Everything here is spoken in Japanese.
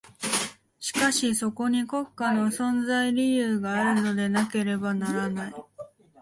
しかしそこに国家の存在理由があるのでなければならない。